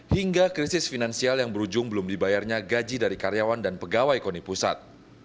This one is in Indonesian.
hingga krisis finansial yang berujung belum dibayarnya gaji dari karyawan dan pegawai koni pusat